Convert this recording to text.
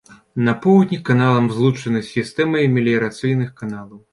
На поўдні каналам злучаны з сістэмай меліярацыйных каналаў.